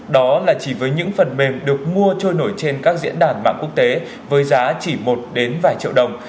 đó là chỉ với những phần mềm được mua trôi nổi trên các diễn đàn mạng quốc tế với giá chỉ một đến vài triệu đồng